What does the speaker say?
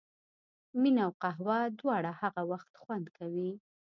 مینه او قهوه دواړه هغه وخت خوند کوي.